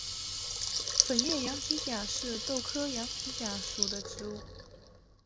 粉叶羊蹄甲是豆科羊蹄甲属的植物。